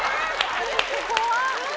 怖っ！